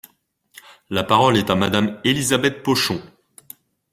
La parole est à Madame Elisabeth Pochon.